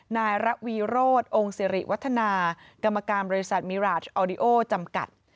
นายระวีโรธองค์สิริวัฒนากรรมการบริษัทมิราชออดิโอจำกัด